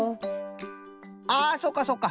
ああそうかそうか。